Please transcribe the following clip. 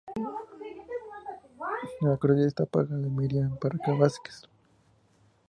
La curaduría está a cargo de Myriam Parra Vásquez.